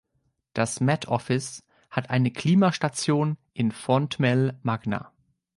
Das Met Office hat eine Klimastation in Fontmell Magna.